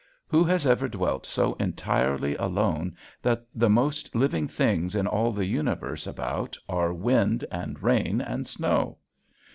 Who has ever dwelt so entirely alone that the most living things in all the universe about are wind and rain and snow?